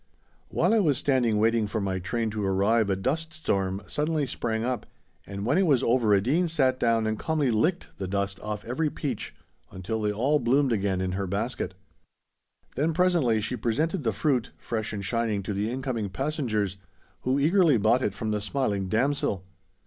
While I was standing waiting for my train to arrive a dust storm suddenly sprang up, and when it was over Edeen sat down and calmly licked the dust off every peach until they all bloomed again in her basket; then presently she presented the fruit, fresh and shining, to the incoming passengers, who eagerly bought it from the smiling damsel!